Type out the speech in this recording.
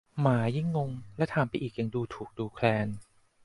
หมายิ่งงงและถามไปอีกอย่างดูถูกดูแคลน